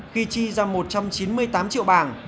khi chi ra một trăm chín mươi tám triệu bảng